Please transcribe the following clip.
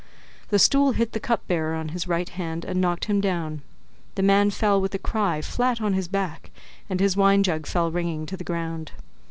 The stool hit the cupbearer on his right hand and knocked him down: the man fell with a cry flat on his back, and his wine jug fell ringing to the ground.